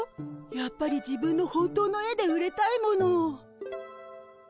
やっぱり自分の本当の絵で売れたいもの。